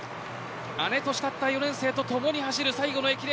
姉としたった４年生とともに走る最後の駅伝。